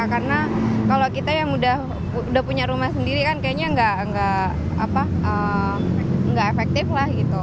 karena kalau kita yang udah punya rumah sendiri kan kayaknya nggak efektif lah gitu